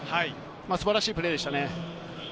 素晴らしいプレーでしたね。